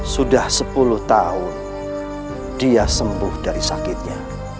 sudah sepuluh tahun dia sembuh dari sakitnya